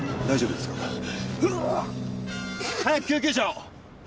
早く救急車を！